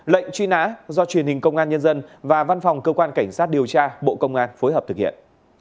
lệnh truy nã do truyền hình công an nhân dân và văn phòng cơ quan cảnh sát điều tra bộ công an phối hợp thực hiện